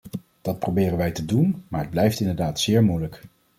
Dat proberen wij te doen, maar het blijft inderdaad zeer moeilijk.